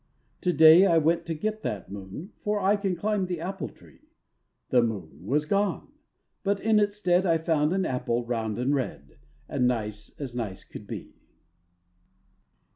To day I went to get that Moon, For I can climb the Apple tree; The Moon was gone. But in its stead I found an Apple round and red, And nice as nice could be.